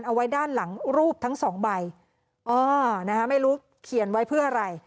เอาไว้ด้านหลังรูปทั้งสองใบอ๋อนะฮะไม่รู้เขียนไว้เพื่ออะไร